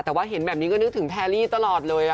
แต่ว่าเห็นแบบนี้ก็นึกถึงแพรรี่ตลอดเลย